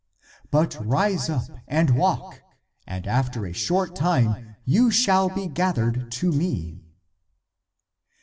But rise up and walk, and after a short time you shall be gathered to me."